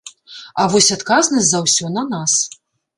А вось адказнасць за ўсё на нас.